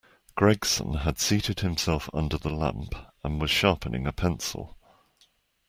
Gregson had seated himself under the lamp and was sharpening a pencil.